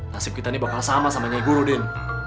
nasib kita ini bakal sama sama nyai guru din